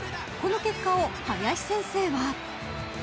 ［この結果を林先生は］